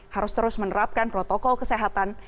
harus terus menerapkan protokol kesehatan